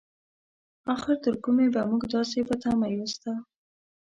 اخر تر کومې به مونږ داسې په تمه يو ستا؟